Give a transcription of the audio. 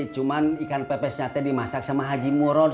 cuman ikan pepesnya teh dimasak sama haji murod